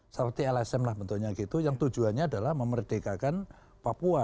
seperti lsm lah bentuknya gitu yang tujuannya adalah memerdekakan papua